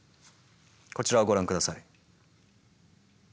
こちらをご覧下さい。